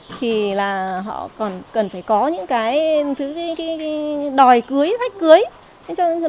thì là họ còn cần phải có những cái đòi cưới hách cưới